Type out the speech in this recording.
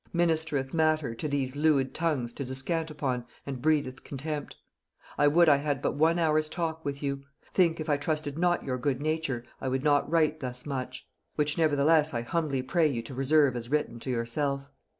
ministereth matter to these leud tongues to descant upon, and breedeth contempt. I would I had but one hour's talk with you. Think if I trusted not your good nature, I would not write thus much; which nevertheless I humbly pray you to reserve as written to yourself.